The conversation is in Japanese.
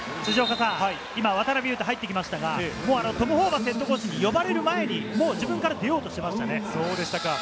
今、渡邊雄太が入ってきましたが、トム・ホーバスＨＣに呼ばれる前にもう自分から出ようとしていましたね。